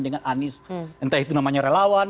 dengan anies entah itu namanya relawan